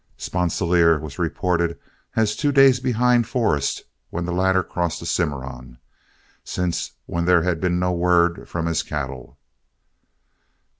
Sponsilier was reported as two days behind Forrest when the latter crossed the Cimarron, since when there had been no word from his cattle.